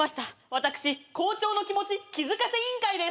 私校長の気持ち気付かせ委員会です。